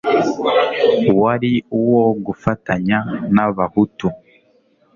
wari uwo gufatanya n'abahutu